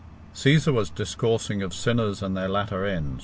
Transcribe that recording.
Cæsar was discoursing of sinners and their latter end.